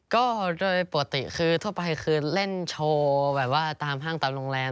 ก็โดยปกติคือทั่วไปคือเล่นโชว์แบบว่าตามห้างตามโรงแรม